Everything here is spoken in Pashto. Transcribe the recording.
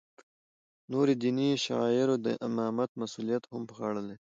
نورو دیني شعایرو د امامت مسولیت هم په غاړه لری.